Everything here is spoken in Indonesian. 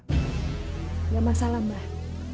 tidak masalah mbah